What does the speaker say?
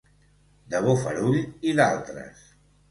De Bofarull i d'altres.